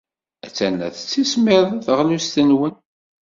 Attan la tettismiḍ teɣlust-nwen.